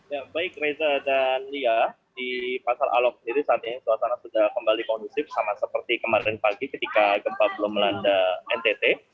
ya baik reza dan lia di pasar alok sendiri saat ini suasana sudah kembali kondusif sama seperti kemarin pagi ketika gempa belum melanda ntt